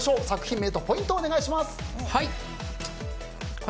作品名とポイントをお願いします。